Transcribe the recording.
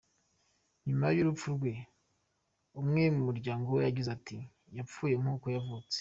Nyuma y’urupfu rwe, umwe mu muryango we yagize ati: “Yapfuye nk’uko yavutse.